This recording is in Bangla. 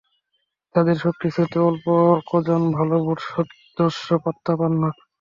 তাদের শক্তির স্রোতে অল্প কজন ভালো বোর্ড সদস্য পাত্তা পান না।